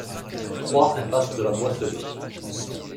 trois impasse de la Boisselée